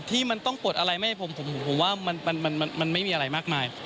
ที่มันต้องปลดอะไรไม่ให้ผมผมว่ามันไม่มีอะไรมากมาย